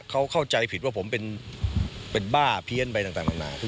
เขาเข้าใจผิดว่าผมเป็นบ้าเพี้ยนไปต่างนานา